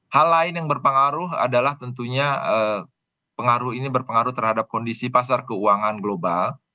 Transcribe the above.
hal lain yang berpengaruh adalah tentunya pengaruh ini berpengaruh terhadap kondisi pasar keuangan global